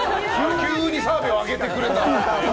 急に澤部を上げてくれた。